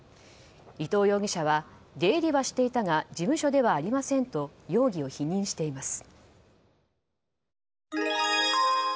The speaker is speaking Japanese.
伊藤容疑者は出入りはしていたが事務所ではありませんと容疑を否認しています。